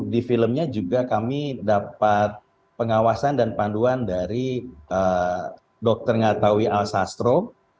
di filmnya juga kami dapat pengawasan dan panduan dari dokter ngatawi alsastro